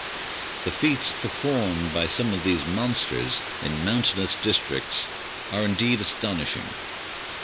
The feats performed by some of these monsters in mountainous districts are indeed astonishing.